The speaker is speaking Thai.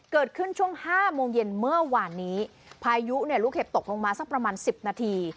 เกิดขึ้นช่วงห้าโมงเย็นเมื่อวานนี้พายุเนี่ยลูกเห็บตกลงมาสักประมาณสิบนาที